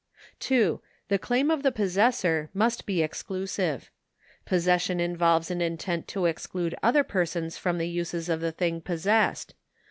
2. The claim of the possessor must be exclusive. Pos session involves an intent to exclude other persons from the uses of the thing possessed.